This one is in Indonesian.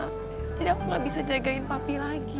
jadi aku gak bisa jagain papi lagi